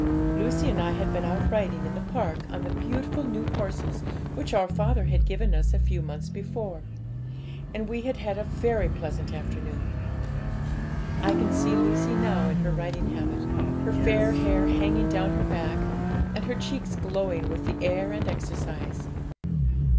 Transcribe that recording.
'Lucy and I had been out riding in the park on the beautiful new horses which our father had given us a few months before, and we had had a very pleasant afternoon. I can see Lucy now in her riding habit her fair hair hanging down her back, and her cheeks glowing with the air and exercise.